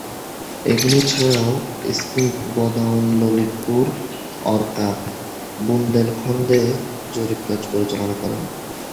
এগুলো ছাড়াও স্মিথ বদাউন ললিতপুর, অর্কা, বুন্দেলখন্দে জরিপ কাজ পরিচালনা করেন।